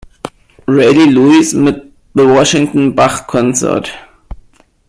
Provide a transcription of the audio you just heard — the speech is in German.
Reilly Lewis mit The Washington Bach Consort.